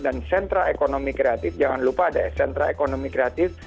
dan sentra ekonomi kreatif jangan lupa ada sentra ekonomi kreatif